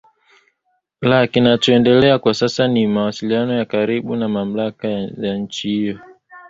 la kinachoendelea kwa sasa ni mawasiliano ya karibu na mamlaka za nchi hiyo